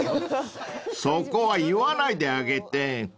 ［そこは言わないであげて］